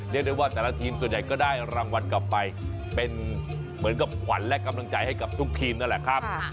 เรียกได้ว่าแต่ละทีมส่วนใหญ่ก็ได้รางวัลกลับไปเป็นเหมือนกับขวัญและกำลังใจให้กับทุกทีมนั่นแหละครับ